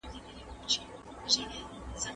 زه به نوټونه ليکلي وي.